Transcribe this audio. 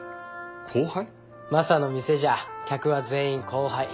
マサの店じゃ客は全員後輩。